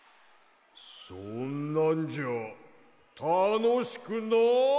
そんなんじゃたのしくない！